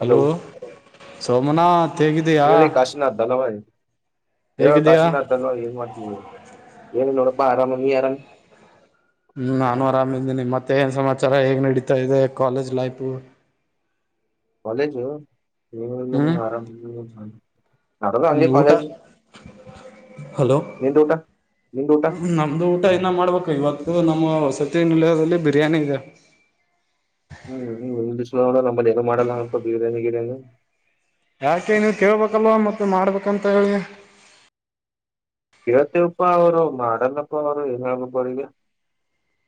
Hello [unintelligible] Somnath ಹೇಗಿದೀಯಾ ಹೇಳಿ ಕಾಶಿನಥ್ ಅಲ್ಲವಾಯ ಹೇಳೋ ಹೇಗಿದೀಯಾ ಕಾಶೀನ ತಲ್ವ ಏನ್ ಮಾಡತರು ಏನ್ನ್ನೋಡಪ್ಪಾ ಅರಾಮ ಯರಾಮ ಹ್ಮ್ ನಾನು ಆರಾಮ ಇದಿದ್ದೇನಿ ಮತ್ತೆ ಏನ್ ಸಮಾಚಾರ ಹೇಗ್ ನಡೀತಾ ಇದೆ ಕಾಲೇಜ್ ಲೈಫು ಕಾಲೇಜು ನಿಮ್ಮ ಹ್ಮ್ ಆರಾಮ ನದಾ ಹ್ಮ್ ಅಲ್ಲಿ ಊಟ ಕಾಲೇಜ್ ಹಲೋ ನೀನ್ ಟೂಟಾ ನೀನ್ ಊಟ ಇದು ನಮ್ಮ ಸತ್ಯ ನಿಲಯದಲ್ಲಿ ಬಿರಿಯಾನಿ ಇದೆ. ಹ್ಮ್ ಹ್ಮ್ ನು [unintelligible] ಯಾಕೆ ನೀವ್ ಕೇಳ್ಬೇಕಲ್ವಾ ಮತ್ತೆ. ಮಾಡ್ಬೇಕಂತ ಹೇಳಗೆ. ಇಳ್ತ್ತೇವಪ್ಪಾ ಅವರು ಮಾಡಲ್ಲಪ್ಪ ಅವರು ಏನ್ ಹೇಳ್ಬಪ್ಪ ಅವ್ರ ಈಗ [unintelligible]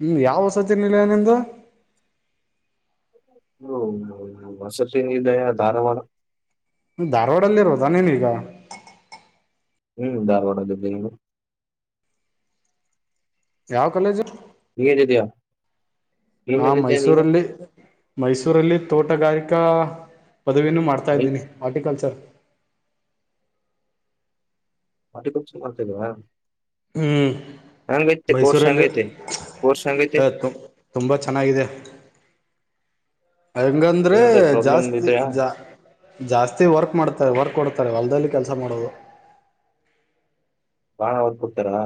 ಹ್ಮ್ ಯಾವ ವಸತಿ ನಿಲಯ ನಿಂದು. ಹ್ಮ ವಸತಿಏನ್ ಧಾರವಾಡ [unintelligible] ಧಾರವಾಡಲ್ಲಿ ಇರ್ದಾ ನೀನೀಗ ಹ್ಮ್ ಇಗೋಣಲ್ಲನು ಯಾವ ಕಾಲೇಜ್ರ ಹಟತೆಯ [unintelligible] ನಾ ಮೈಸೂರಲ್ಲಿ ಮೈಸೂರಲ್ಲಿ ತೋಟಗಾರಿಕಾ ಪದವಿನೂ ಮಾಡ್ತಾ ವೈಫ್ ಇದ್ದೀನಿ ಆರ್ಟಿಕಲ್ಚರ್. ಮಟಿ ಕಪ್ಸ ಮಾಡ್ತಲ್ವಾ. ಹ್ಮ್ [unintelligible] ಮೈಸೂರಲ್ಲಿ ಹೆಂಗೈತೆ ಕೋರ್ಸ್ ಹೆಂಗೈತೆ ತುಂಬ ಚೆನ್ನಾಗಿದೆ ಹಂಗಂದ್ರೆ ಏನಾದ್ರು ಪ್ರಾಬ್ಲಮ್ ಜಾಸ್ತಿ ಇದ್ಯಾ ಜಾ ಜಾಸ್ತಿ ವರ್ಕ್ ಮಾಡ್ತಾರೆ ವರ್ಕ್ ಕೊಡ್ತ ಹೊಲ್ದಲ್ಲಿ ಕೆಲಸ ಮಾಡೋದು [unintelligible] ಬಾಣ ಹೊತ್ ಕೊಡ್ತಾರಾ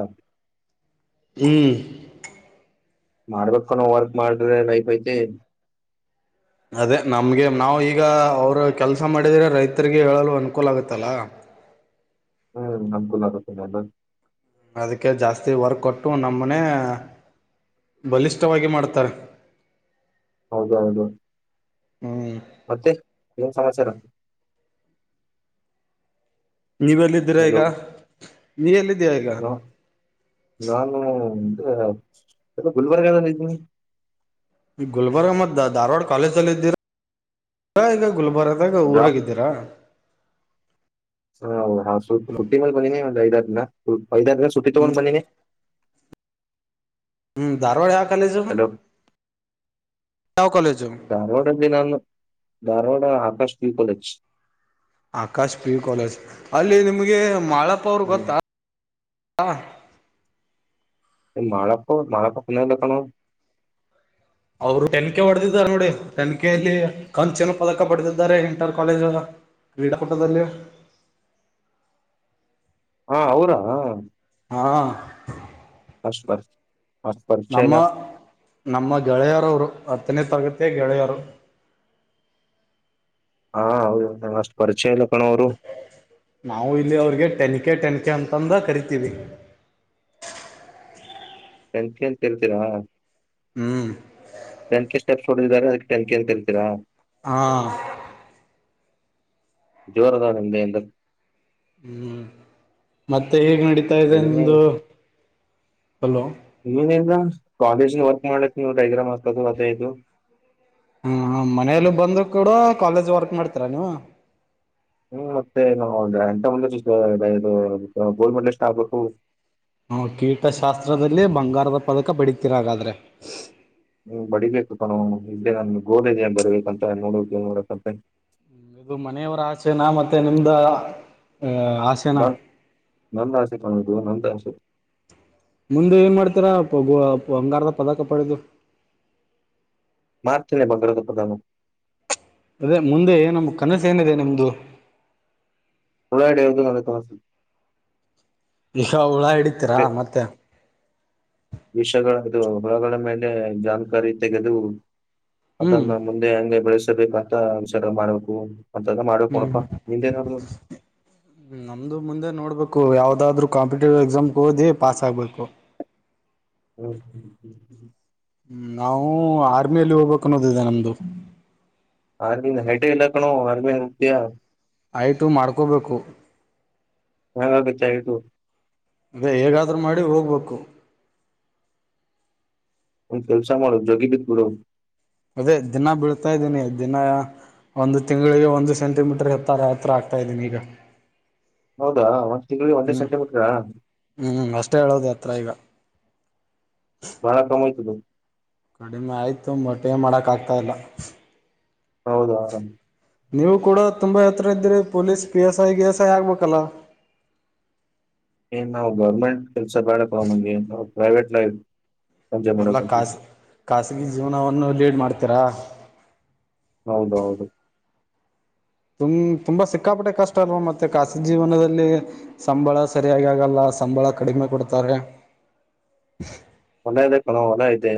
ಹ್ಮ್ ಮಾಡಾರ್ವಕ ನ ವರ್ಕ್ ಮಾಡ್ರೆ ನ ಪೈ ಅದೇ ನಮ್ಗೆ ನಾವವು ಈಗ ಅವರು ಕೆಲಸ ಮಾಡಿದ್ರೆ ರೈತರಿಗೆ ಹೇಳಲು ಅನುಕೂಲ ಆಗತ್ತಲ್ಲ ಹ್ಮ ನಮ್ಕೂಲ್ಲಾರತನಲ್ಲ ಅದಕ್ಕೆ ಜಾಸ್ತಿ ವರ್ಕ್ ಕೊಟ್ಟು ನಮ್ಮನೆ ಬಲಿಷ್ಠವಾಗಿ ಮಾಡ್ತಾರೆ ಹೌದ ಅೌದುೇ ಹ್ಮ ಮತ್ತೆ ಕನ್ ಸಮಾಚಾರ ನೀವೆಲ್ಲಿದ್ದೀರಾ ಈಗ ನೀ ಎಲ್ಲಿ ನಾ ನಾನು ಹ ಗುಲ್ಬರ್ಗ ಜಲ್ಲಿ ತಿ ಈ ಗುಲ್ಬರ್ಗ ಮ ಧಾರವಾಡ ಕಾಲೇಜ ಅಲ್ಲಿ ಇದ್ದೀರಾ ಈಗ ಗುಲ್ಬರ್ದಾಗ ಊರಾಗಿದ್ದೀರಾ ಹೌ ಹ ಹುಟ್ಟಿ ಮಲ್ ಬಂದನಿ ಒಂದ್ ಐದಾರು ದಿನ ಹ್ಮ ಹದ ಸುಟ್ಟಿ ತಗೊಂಡ ಹ್ಮ್ ಬನ್ನಿ ನೀ ಹ್ಮ್ ಧಾರವಾಡಿಯ ಆ ಹಲೋ ಯಾವ ಕಾಲೇಜು ಧಾರವಾಡ ಎ ದಿನ ಧಾರವಾಡ ಹ ಸ್ಕೂ ಕಜ ಆಕಾಶ್ ಪಿ ಯು ಕಾಲೇಜ್ ಅಲ್ಲಿ ನಿಮ್ಗೆ ಮಾಳಪ್ಪ ಅವರು ಗೊತ್ತಾ ಹ್ಮ್ ಹ ಮಳಕ್ಕ ಮಳಪೊನಲ್ಲಕ್ಕಣ ಅವರು ತೆನಖೆ ಹೊಡೆದಿದ್ದಾರೆ ನೋಡಿ ತೆನ್ಖೆಯಲ್ಲಿ ಕಂಚಿನ ಪದಕ ಪಡೆದಿದ್ದಾರೆ ಇಂಟರ್ ಕಾಲೇಜ್ ಕ್ರೀಡಾಕೂಟದಲ್ಲಿ ಹಾ ಅವರಾ ಹಾಂ ಹಷ್ಟ ಬರ್ ಅಷ್ಟ್ ಪರಿಚಯ ನಮ್ಮ ಇಲ್ಲ ನಮ್ಮ ಗೆಳೆಯರವರು ಅತ್ತನೇ ತರಗತಿಯಾಗಿ ಏಳೆಯ ಆರುು ಹಾ ಹೌದು ಮಷ್ಟು ಪರಿಚಯಲ್ಲ ನಾವು ಇಲ್ಲಿ ಅವ್ರಿಗೆ ಟೆನ್ಕೆ ಟೆನ್ಕೆ ಅಂತ ತಂಬ ಕರಿತೀವಿ ಸಂಂತ ಅಂತ ಹೇಳ್ತೀರಾ ಹ್ಮ್ ೆನ್ಕಿ ಸ್ಟೆಪ್ಸ್ ಹೊಡಿದಿದ್ದಾರೆ ಅದಕ್ಕೆಟೆಂಕಿ ಅಂತ ಕರಿತೀರಾ ಹಾ ಜೋರದಾ ನಿಂದೆಂದ ಹ್ಮ್ ಮತ್ತೆ ಈಗ ನಡತ ಇದೆ ಬೇರೆನೆ ಹಲೋ ಏನಿಲ್ಲ ಕಾಲೇಜ್ ವರ್ಕ್ ಮಾಡ್ಲಕ್ಕೆ ನೀವು ಡೈಗ್ರಾಮ್ ಹತದು ಅದಾಯದು ಹ ಮನೇಲ್ಲ ಬಂದ್ ಕೂಡ ಕಾಲೇಜ್ ವರ್ಕ್ ಮಾಡ್ತೀರ ನೀವು ಹ್ಮ್ ಮತ್ತೆ ನ ಎಂಂತ ಮುಂದ ಗೋಲ್ಡ್ ಮೆಡ್ಲ್ ಇಷ್ಟ ಆಗ್ಬೇಕು ಹ ಕೀಟಶಾಸ್ತ್ರದಲ್ಲಿ ಬಂಗಾರದ ಪದಕ ಬೆಡತಿೀರ ಹಾಗಾದ್ರೆ ಹ್ಮ ಬಡಿಬೇಕು ತಾನು ಇದ್ದೇ ನನ್ ಗೋದದೆ ಬರ್ಬೇಕಂತ ನೋಡ ನೋಡಕ್ಂತ ಇದು ಮನೆಯವರ ಆಸೆನ ಮತ್ತೆ ನಿಮ್ದ ಹಸನ ಹ ನಂತ ಸರ್ ಮುಂದೆ ಏನ್ ಮಾಡ್ತೀರಾ ಬಂಗಾರದ ಪದಕ ಪಡೆದು ಮಾರ್ಚ್ನೆ ಭಗ್್ರದು ಪ್ರಧಾನ ಅದೇ ಮುಂದೆ ಏ ನಮ್ ಕನಸು ಏನಿದೆ ನಿಮ್ದು ಹಡ ನನ್ನ ತಸ [unintelligible] ನಿಶ ಹುಳ ಹಿಡಿತೀರಾ ಮತ್ತೆ ವಿಷಯಗಳದು ಹೊಳಗಳ ಮೇಲೆ ಜನ್ಕಾರಿ ತೆಗೆದು ಹ್ಮ್ ಅದನ್ನ ಮುಂದೆ ಹಂಗೆ ಬೆಳಸ ಬೇಕತ್ತ ವಿಷಾರ ಮಾಡ್ಬೇಕು ಹ್ಮ್ ನಮ್ದು ಮುಂದೆ ನೋಡ್ಬೇಕು ಯಾವ್ದ ಅದಾದ್ರೂ ಕಾಂಪಿಟೇಟಿವ್ ಎಕ್ಸಾಮ್ಗೆ ಓದಿ ಪಾಾಸ ಆಾಗಬೇಕು ಹ -ಹ್ಮ ಹ್ಮ ಹ್ಮ ಹ್ಮ್ ನಾವು ಆರ್ಮಿಯಲ್ಲಿ ಹೋಗ್ಬೇಕಕ್ ಅನ್ನೋದಿದೆ ನಮ್ದು ಆರ್ಮಿ ಹೆೇಟ ಇಲ್ಲಕ್ಕಣೋ ಆರ್ಮಿ ಅತ್ಯ ಆಐಟು ಮಾಡ್ಕೋಬೇಕು ಹಾಾಗಚಾರತು ಅದೇ ಹೇಗಾದ್ರರುೂ ಮಾಡಿ ಹೋಗ್ಬೇಕು ಒಫೆಲ್ಸ ಮಾಡ ಜೋಗಿಬಿದ ಗುರು ಅದೇ ದಿನ ಬೀಳ್ತಾ ಇದ್ದೀನಿ ದಿನ ಒಂದು ತಿಂಗಳಿಗೆ ಒಂದು ಸೆಂಟಿಮೀಟರ್ ಹತ್ತರ ಹತ್ರ ಆಗ್ತಾ ಇದ್ದೀನಿ ಈಗ ಹೌದಾ ಒಂದ ತಿಂಗಳಿಗೆ ಒಂದೇ ಹ್ಞೂ ಸೆಂಟಿಮೀಟ್ರ ಹ್ಞೂ ಅಷ್ಟೇ ಹೇಳೋದು ಹತ್ರ ಈಗ ಬಳ ಕಮ್ಮಯ್ತು ಕಡಿಮೆ ಆಯ್ತು ಮೊಟ್ಟೆ ಮಾಡಕ ಆಗ್ತಾ ಇಲ್ಲ ಹೌದು ಆರಾಮ ನೀವು ಕೂಡ ತುಂಬಾ ಹತ್ತರ ಇದ್ರ ಪೊಲೀಸ್ ಪಿ ಎಸ್ ಐಗೆ ಎಸ್ ಐ ಆಗ್ಬೇಕಲ್ಲ ಏನ್ ನಾವು ಗೌರ್ಮೆಂಟ್ ಕೆಲ್ಸ ಬಾಳಪ್ಪ ಮಂಗಗೆ ಪ್ರೈವೇಟ್ ಪಂಜೆ ಮುನ್ನೋ ಎಲ್ಲ ಪಚ ಖಾಸ ಖಾಸಗಿ ಜೀವನವನ್ನು ಲೀಡ್ ಮಾಡ್ತೀರಾ ಹೌದೌದು ತು ತುಂಬಾ ಸಿಕ್ಕಾಪಟ್ಟೆ ಕಷ್ಟ ಅಲ್ವಾ ಮತ್ತೆ ಖಾಸಿ ಜೀವನದಲ್ಲಿ ಸಂಬಳ ಸರಿಯಾಗಿ ಆಗಲ್ಲ ಸಂಬಳ ಕಡಿಮೆ ಕೊಡ್ತಾರೆ ಒಂದ ಇ ಕಣ ಹೊಲ ಐತೆ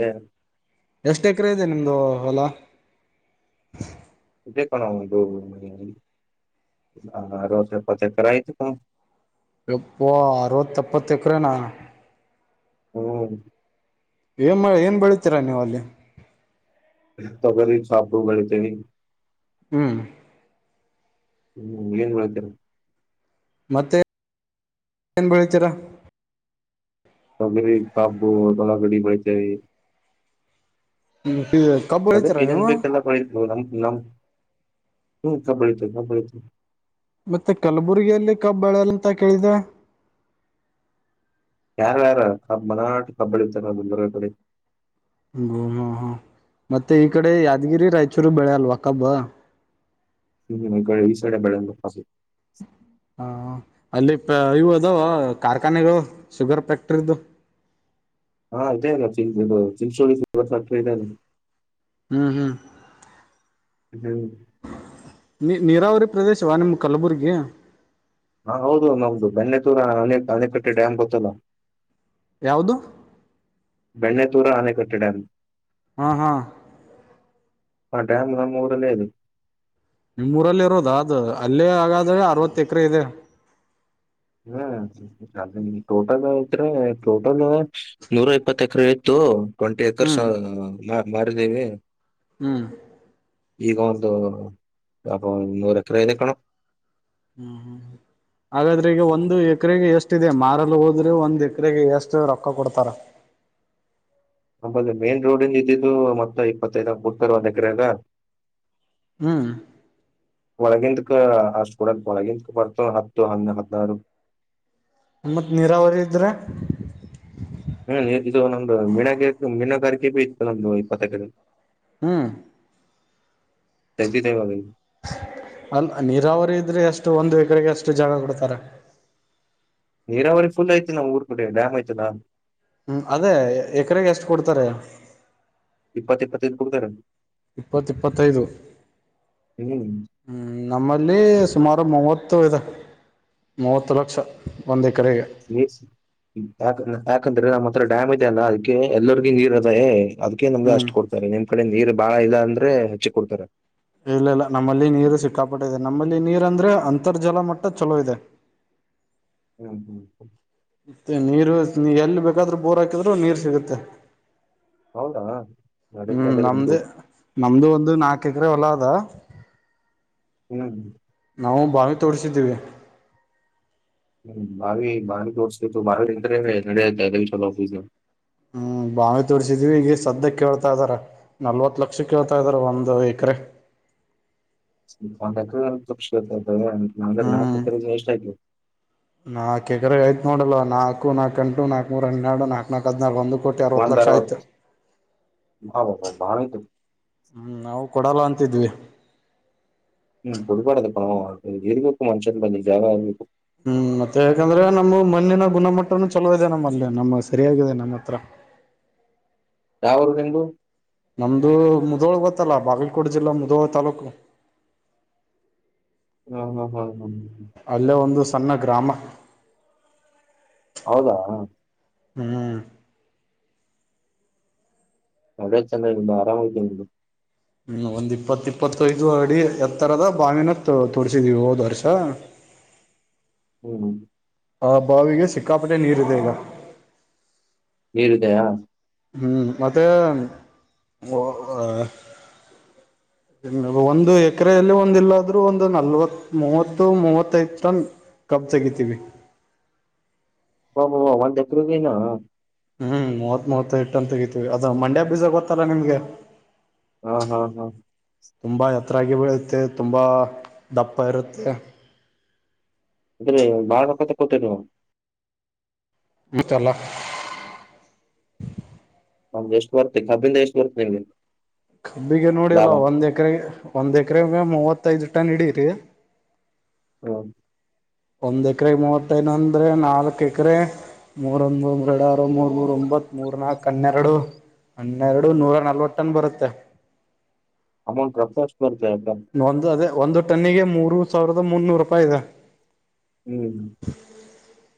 ಎಷ್ಟ ಎಕರೆ ಇದೆ ನಿಮ್ದು ಹೊಲ ರಸ ಪತೆ ಕಾಯತ ಕ ಎಪ್ಪೋ ಅರವತ್ತುಯ್ಪ್ಪತ್ತು ಎಕರನಾ ಹ್ಮ ಏನ್ ಏನ್ ಬೆಳಿತೀರಾ ನೀವ ಅಲ್ಲಿ ತಗರಿ ಸಾಾಪ್ ಬೆಳಿತೀನಿ ಹ್ಮ್ ಹ್ಮ್ ಏನ್ ಮಾಡತೀರ ಮತ್ತೆ ಏನ್ ಬೆಳತೀರ ತಕ ಕಬ್ಬ ತೋನಕಟ್ಟ ಬತ ಹ್ಮ್ ಈ ಕಬ್ಬು ಹೇಳ್ತೀರ ನೀವು ನ ಹ್ಮ ಕಬ್ಬಳತ ಕಬಳತ ಮತ್ತೆ ಕಲಬುರ್ಗಿಯಲ್ಲಿ ಕಬ್ಬಾಳಲ್ಲಂತ ಕೇಳಿದೆ ಯಾರ ಯಾರ ಕಬ್ ಮರಾಟ ಕಬಡ್ಡಿ ಇತ್ತ ನರ ಕಡಿ ಹ್ಮ ಹ್ಮ ಮತ್ತೆ ಈ ಕಡೆ ಯಾದಗಿರಿ ರಾಯಚೂರು ಬೆಳೆ ಅಲ್ವಾ ಕಬ್ಬಾ ಹ ಕಡೆ ಈ ಸಡ ಬೆಳ ಹಾ ಅಲ್ಲಿ ಪ ಇವು ಅದ ಕಾರ್ಖಾನೆಗಳು ಶುಗರ್ ಫ್ಯಾಕ್ಟ್ರಿದು ಹಾ ತಲ್ಲ ಚಿಂಚ ಚಿಂಚೋಡಿ ವರ್ಸತ ಇತ ಹ್ಮ್ ಹ್ಮ್ ಹ್ಮ್ ನೀ ನೀರಾವರಿ ಪ್ರದೇಶವಾ ನಿಮ್ಮ ಕಲಬುರ್ಗಿ ಹಾ ಹೌದು ಒ ನೌದದು ಬೆನ್ನೆತೂರನ ಅನಕಟ್ಟೆ ಡ್ಯಾಮ್ ಗೊತ್ತಲ್ಲ ಯಾವುದು ದೂರ ಆನೆ ಕಟ್ಟಡ ಹಾ ಹಾ ಆ ಡ್ಯಾಂ ನ ಮೂರನದು ನಿಮ್ಊರಲ್ಲಿ ಇರೋದ ಅದು ಅಲ್ಲೇ ಆಗ ಅದ್ರೆ ಅರವತ್ತ ಎಕರೆ ಇದೆ ಹ್ಮ ಟೋಟಲ್ ಯತ್ಟೋಟಲ್ ನೂರ ಇಪ್ಪತ್ ಎಕರೆ ಇತ್ತು ಟ್ವೆಂಟಿ ಏಕರ್ಸ್ ಹ್ಮ್ ಬಾರದೇವೆ ಹ್ಮ್ ಈಗ ಒಂದು ಅ ನೂರ ಎಕರೆ ಇದೆ ಕಣ ಹ್ಮ್ ಹ್ಮ್ ಹಾಗಾದ್ರೆ ಈಗ ಒಂದು ಎಕರೆಗೆ ಎಷ್ಟಿದೆ ಮಾರಲ್ ಹೋದ್ರೆ ಒಂದ್ ಎಕರೆಗೆ ಎಷ್ಟು ರೊಕ್ಕ ಕೊಡ್ತಾರ ನಂಬದು ಮೇನ್ ರೋಡ್ಂದ ಇದ್ದಿದ್ದು ಮತ್ತ ಇಪ್ಪತ್ತೖದುದಾಗ ಬಡ್ತಾರ ಒಂದು ಎಕರೆ ಅದ ಹ್ಮ್ ಒಗಿಂತಕ ಅಷ್ಟು ಕೊಡ ಬಳಗಿಂತಕ ಬರ್ತ ಹತ್ತು ಹ್ ಹದಿನಾರು ಮತ್ತ್ ನೀರಾವರಿ ಇದ ಇದ್ರೆ ಹ್ಮ್ಇದು ನಮ್ದು ಮೀಣಗ ಮೀನುಗಾರಿಕೆ ಭಿ ಇತ್ತು ನಮ್ದು ಇಪ್ಪತ್ತಕಡೆ ಹ್ಮ್ ಸಗ ತವ ಅ ನೀರಾವರಿ ಇದ್ರೆ ಎಷ್ಟು ಒಂದು ಎಕರೆಗೆ ಅಷ್ಟು ಜಾಗ ಕೊಡ್ತಾರೆ ನೀರಾವರಿ ಫುಲ್ ಐತೆ ನಾವು ಊರ್ಬ ಬಿಟ್ಟ್ರ ಡ್ಯಾಮ್ ಐತದಾ ಹ್ಮ್ ಅದೇ ಎಕರೆಗೆ ಎಷ್ಟು ಕೊಡ್ತಾರೆ ಇಪ್ಪತ್ತ ಇಪ್ಪತ್ತೈದು ಹಡ್ತಾರ ಇಪ್ಪತ್ ಇಪ್ಪತ್ತೈದು ಹ್ಮ್ ಹ್ಮ ನಮ್ಮಲ್ಲಿ ಸುಮಾರು ಮೂವತ್ತು ಇ ಮೂವತ್ತು ಲಕ್ಷ ಒಂದ ಆ ಆ ಯಾಕಂದ್ರೆ ನಮ್ಮ ಹತ್ರ ಡ್ಯಾಮ್ ಇದೆ ಅಲ್ಲ ಅದಕ್ಕೆ ಎಲ್ಲರಿಗ ನೀರ್ ಅದೇ ಅದಕ ನಮಗೆ ಹ್ಮ್ ಅಷ್ಟ ಕೊಡ್ತಾರೆ ನೀನ್ ಆ ಕಡೆ ನೀರು ಬಾಳ ಇಲ್ಲಾ ಅಂದ್ರೆ ಹೆಚ್ಚಿ ಕೊಡ್ತಾರ. ಎ ಇಲ್ಲ ಇಲ್ಲ ನಮ್ಮಲ್ಲಿ ನೀರು ಸಿಕ್ಕಾಪಟ್ಟ ಇದೆ ನಮ್ಮಲ್ಲಿ ನೀರ್ ಅಂದ್ರೆ ಅಂತರ್ಜಲ ಮಟ್ಟ ಚಲೋ ಇದೆ. ಹ್ಮ ಹ ಮತ್ತೆ ನೀರು ಎಲ್ಲಿ ಬೇಕಾದ್ರೂ ಬೋರ್ ಹಾಕಿದ್ರು ನೀರ್ ಸಿಗುತ್ತೆ ಹೌದಾ ಹ್ಮ್ ನಡತ್ತದೆ ನಮ್ದ ಮುಂದು ನಮ್ದು ಒಂದು ನಾಕು ಎಕರೆ ಹೊಲ ಅದ ಹ್ಮ್ ನಾವು ಬಾವಿ ತೋರಿಸಿದ್ದೀವಿ. ಹ್ಮ್ ಬಾವಿ ಬಾವ ತೋರಿಸತತ್ತು ಬಾವ ಇಂಟರ್ ನಡಿ ಆಯ್ತದಿ ಆಫೀಸ್ ಹ್ಮ್ ಬಾವಿ ತೋರ್ಸಿದೀವಿ ಈಗ ಸದ್ಯ ಕೇಳ್ತಾ ಇದಾರ ನಲ್ವತ್ ಲಕ್ ಕ್ಷಿ ಕೇಳ್ತಾ ಇದ್ರ ಒಂದು ಕ್ರೆ ಒಂದ್ ಎಕ್ರೆ ನಲ್ಲಿ ಪಕ್ಷ ಹ್ಮ್ [unintelligible] [unintelligible] ನಾಕ್ ಎಕರೆ ಆಯ್ತ್ ನೋಡಲ್ಲ ನಾಕ ನಾಕಂಟು ನಾಕಕ್ ಮೂರುರ ಹೆರಡು ನಾಲ್ಕ ನಾಕ್ ಹದಿನಾರು ಒಂದು ಕೋಟಿ ಅರವತ್ತು ಲಕ್ಷ ಆಯ್ತು ಒಂದಾರತ್ ಬಬ ಭಾವತು ಹ್ಮ್ ನಾವು ಕೊಡಲ್ಲ ಅಂತಿದ್ವಿ ಹ್ಮ್ ಕುರಿಪಾಡದ ಪ ಇಗಕ್ಕ ಮನುಷನ್ ಬಂದ ಜಾಗ ಆ ಹ್ಮ್ ಮತ್ತೆ ಯಾಕಂದ್ರೆ ನಮ ಮಣ್ಣಿನ ಗುಣಮಟ್ಟನು ಚಲೋ ಇದೆ ನಮ್ಮಲ್ಲಿ ನಮ್ಮ ಸರಿಯಾಗಿದೆ ನಮ್ಮ ಹತ್ರ ಯಾವರು ನಿಮ್ದು ನಮ್ದು ಮುದೋಳ ಗೊತ್ತಲ್ಲ ಬಾಗಲಕೋಟೆ ಜಿಲ್ಲಾ ಮುದೋಳ ತಾಲೂಕು ಹ್ಮ ಹಾ ಹಾ ಅಲ್ಲೇ ಒಂದು ಸನ್ನ ಗ್ರಾಮ ಹೌದಾ ಹ್ಮ್ ಹಳೆ ಚೆನ್ನಾಗಿ ನಿ ಆರಾಮ್ [unintelligible] ಹ್ಮ್ ಒಂದ್ ಇಪ್ಪತ್ ಇಪ್ಪತ್ತುಐದು ಅಡಿ ಎತ್ತರದ ಬಾವಿನ ತೊ ತೋರ್ಸಿದಿವಿ ಹೋದ್ ವರ್ಷ ಹ್ಮ್ ಹ್ಮ ಆ ಬಾವಿಗೆ ಸಿಕ್ಕಾಪಟ್ಟೆ ನೀರ್ ಇದೆ ಈಗ ನೀರುದಯಾ ಹ್ಮ್ ಮತ್ತೆ ಒಂದು ಎಕ್ರೆಯಲ್ಲಿ ಒಂದ ಇಲ್ಲಾದ್ರರು ಒಂದು ನಲ್ವತ್ ಮೂವತ್ತು ಮೂವತ್ತದನ್ ಕಬ್ ತೆಗಿತೀವಿ ಬ ಬ ಬ ಒಂದ್ ಎಕ್ರೆ ಮೀನಾ ಹ್ಮ್ ಮೂವತ್ ಮೂವತ್ತೈದ್ ಟನ್ ತಗತಿವಿ ಅದ ಮಂಡ್ಯ ಬೀಸಾಗ ಗೊತ್ತಾಲ ನಿಮ್ಗೆ ಹ್ಮ ಹ್ಮ್ ಹ್ಮ್ ತುಂಬಾ ಎತ್ತರಾಗಿ ಬೆಳುತ್ತೆ ತುಂಬಾ ದಪ್ಪ ಇರುತ್ತೆ ಅ್ರ ಬಾರನ ಕತೆ ಕೊತೆ ಮುಚ್ಚಲ್ಲ ಒಮ್ ಎಷ್ಟು ಬರ್ತ್ತತಿ ಕಬ್ಬಿಂದ ಎಷ್ಟು ಬರ್ತ್ತೆ ನಿಮ್ದಗೆ ಕಬ್ಬಿಗೆ ನೋಡಿ ಅಲ್ಲ ಒಂದ್ ಎಕರೆಗೆ ಒಂದ್ ಎಕರೆಗ ಮೂವತ್ತೈಐದು ಟನ್ ಇಡೀರಿ ಹ ಒಂದ್ ಎಕರೆಗೆ ಮೂವತ್ತೈದು ಅಂದ್ರೆ ನಾಲ್ಕು ಎಕರೆ ಮೂರೊಂದು ಮೂ ಎರಡು ಆರು ಮೂರ್ ಮೂರ ಒಂಬತ್ ಮೂರ್ ನಾಲ್ಕ ಹನ್ನೆರಡು ಹನ್ನೆರಡು ನೂರ ನಲ್ವತ್ ಟನ್ ಬರುತ್ತೆ. ಅಮ ಪ್ರತ [unintelligible] ಒಂದು ಅದೇ ಒಂದು ಟನ್ನಿಗೆ ಮೂರು ಸಾವಿರದ ಮುನ್ನೂರು ರೂಪಾಯಿ ಇದೆ. ಹ್ಮ್.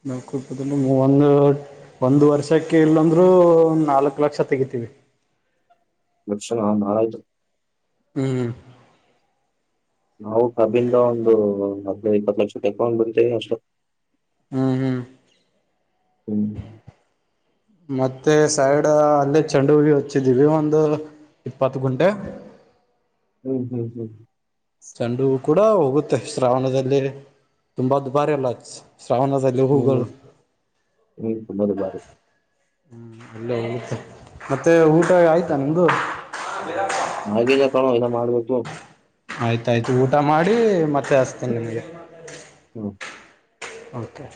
ನಲ್ಕುಪದಲ್ಲಿ ಒಂದು ಒಂದು ವರ್ಷಕ್ಕೆ ಇಲ್ಲಂದ್ರೂ ಒ ನಾಲ್ಕ ಲಕ್ಷ ತೆಗಿತೀವಿ. ಲಕ್ಷಣ ನಾರಾಯ್ತು. ಹ್ಮ್ ಹ್ಮ. ನಾವು ಕಬ್ಬಿಂದ ಒಂದು ಹದಿನೈ ಇಪ್ಪತ್ತು ಲಕ್ಷ ತಕೊಂಡೊಂಡ್ ಬರ್ತೇವಿ ಅಷ್ಟ. ಹ್ಮ್ ಹ್ಮ್. ಹ್ಮ್. ಮತ್ತೆ ಸೈಡ್ ಅಲ್ಲೇ ಚಂಡಿಹೂ ಹಚ್ಚಿದೀವಿ ಒಂದು ಇಪ್ಪತ್ತ ಗುಂಟೆ ಹ್ಮ್ ಹ್ಮ್ ಹ್ಮ್. ಚಂಡು ಕೂಡ ಹೋಗುತ್ತೆ ಶ್ರಾವಣದಲ್ಲಿ ತುಂಬಾ ದುಬಾರಿ ಅಲ್ಲ. ಶ್ರಾವಣದಲ್ಲಿ ಹೂಗಳು [unintelligible] ಬಾರ ಹ್ಮ್ ಅಲ್ಲೇತ್ತೆ ಮತ್ತೆ ಊಟ ಆಯ್ತಾ ನಿಮ್ದು ಹಾಗಿಲ್ಲ ಕಣೋ ಇನ್ ಮಾಡ್ಬೇಕು. ಆಯ್ತಾಯ್ತು ಊಟ ಮಾಡಿ ಮತ್ತೆ ಹಚ್ತೇನ ನಿಮ್ಗೆ ಹ್ಮ. ಹತೆ